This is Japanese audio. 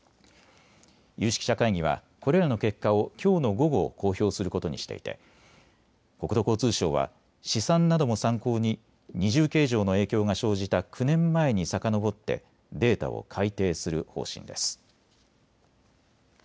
有識者会議はこれらの結果をきょうの午後、公表することにしていて国土交通省は試算なども参考に二重計上の影響が生じた９年前にさかのぼってデータを改定する方針です。